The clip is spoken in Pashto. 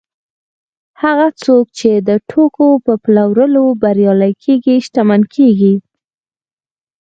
هغه څوک چې د توکو په پلورلو بریالي کېږي شتمن کېږي